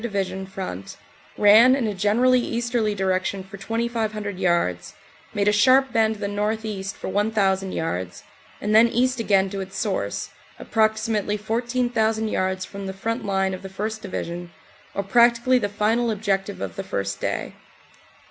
Division front, ran in a generally easterly direction for 2,500 yards, made a sharp bend to the northeast for 1,000 yards, and then east again to its source, approximately 14,000 yards from the front line of the 1st. Division, or practically the final objective of the first day.